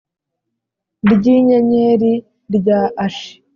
ry inyenyeri rya Ashi